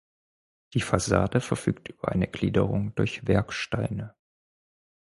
Die Fassade verfügt über eine Gliederung durch Werksteine.